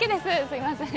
すみません。